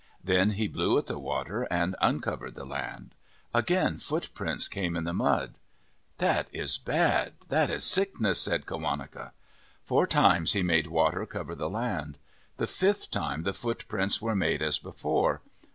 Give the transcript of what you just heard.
Then he blew at the water and uncovered the land. Again footprints came in the mud. "That is bad. That is sickness," said Qawaneca. Four times he made water cover the land. The fifth time the footprints were made as before.